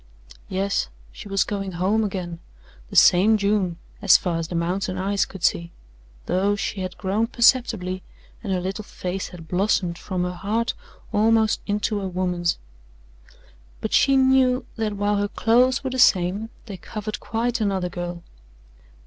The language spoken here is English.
Yes, she was going home again, the same June as far as mountain eyes could see, though she had grown perceptibly, and her little face had blossomed from her heart almost into a woman's, but she knew that while her clothes were the same, they covered quite another girl.